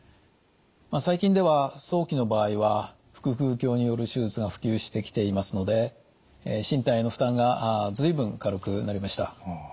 最近では早期の場合は腹腔鏡による手術が普及してきていますので身体への負担が随分軽くなりました。